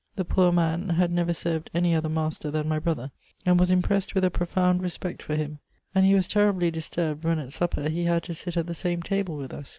The poor man had never served any other master than my brother, and was impressed with a profound respect for him ; and he was terribly disturbed when at supper he had to sit at the same table with us.